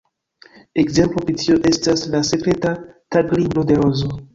Ekzemplo pri tio estas ""La Sekreta Taglibro de Rozo"".